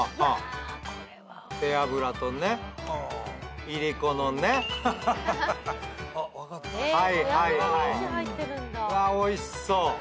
うわおいしそう。